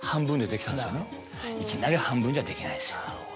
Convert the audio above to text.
いきなり半分じゃできないです。